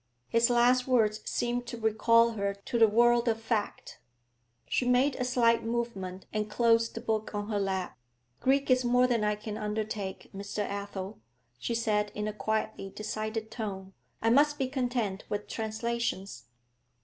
His last words seemed to recall her to the world of fact. She made a slight movement and closed the book on her lap. 'Greek is more than I can undertake, Mr. Athel,' she said in a quietly decided tone. 'I must be content with translations.'